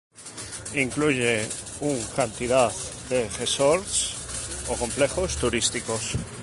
Incluye un cantidad de resorts o complejos turísticos.